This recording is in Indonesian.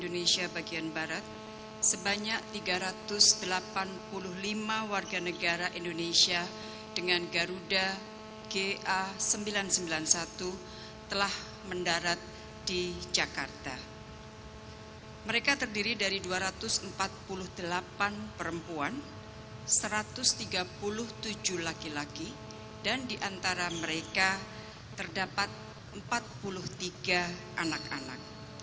pemerintah republik indonesia melakukan evakuasi wni dan di antara mereka terdapat empat puluh tiga anak anak